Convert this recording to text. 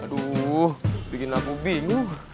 aduuuh bikin aku bingung